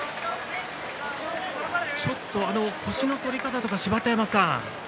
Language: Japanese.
ちょっと腰の反り方とか芝田山さん